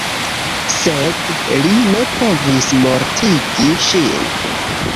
Sed li ne povis mortigi ŝin.